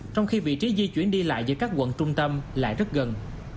trong khi vị trí di chuyển đi lại giữa các quận trung tâm lại rất gần